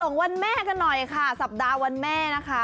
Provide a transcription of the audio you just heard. ของวันแม่กันหน่อยค่ะสัปดาห์วันแม่นะคะ